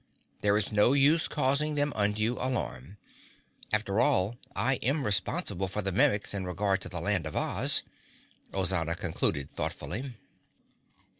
There is no use causing them undue alarm. After all, I am responsible for the Mimics in regard to the Land of Oz," Ozana concluded thoughtfully.